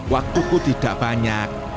waktuku tidak banyak